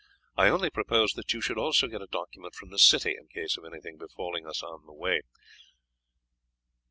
I only propose that you should also get a document from the city in case of anything befalling us on the way.